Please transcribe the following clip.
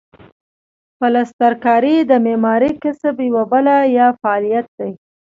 پلسترکاري د معمارۍ کسب یوه بله یا فعالیت دی.